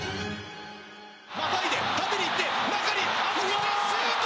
またいで縦にいって中に預けてシュート！